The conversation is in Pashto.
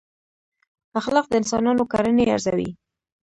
اخلاق د انسانانو کړنې ارزوي.